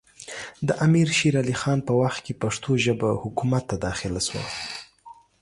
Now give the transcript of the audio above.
د امیر شېر علي خان په وخت کې پښتو ژبه حکومت ته داخله سوه